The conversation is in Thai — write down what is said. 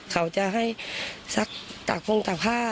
เขาจะให้ซักตากผ้า